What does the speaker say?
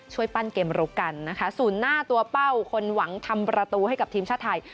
ปั้นเกมรุกกันนะคะศูนย์หน้าตัวเป้าคนหวังทำประตูให้กับทีมชาติไทย